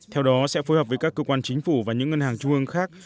theo đó sẽ phối hợp với các cơ quan chính phủ và những ngân hàng trung ương khác